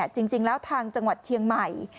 จริงแล้วทางจังหวัดเชียงใหม่